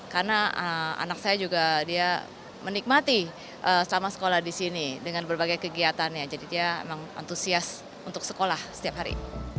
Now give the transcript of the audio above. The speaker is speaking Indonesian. saya merasa juga dia menikmati selama sekolah disini dengan berbagai kegiatannya jadi dia emang antusias untuk sekolah setiap hari